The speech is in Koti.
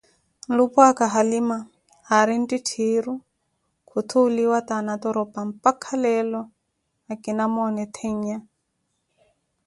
Nlupwaaka, Halima, aari ntittiiru, kutthuuliwa ti anatoropa, mpaka leelo akimooneeni theenya.